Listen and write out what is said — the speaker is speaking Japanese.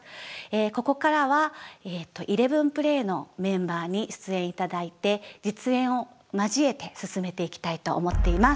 ここからはＥＬＥＶＥＮＰＬＡＹのメンバーに出演頂いて実演を交えて進めていきたいと思っています。